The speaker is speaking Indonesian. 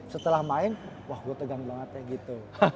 setelah main wah gue tegang banget kayak gitu